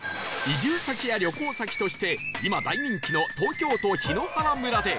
移住先や旅行先として今大人気の東京都檜原村で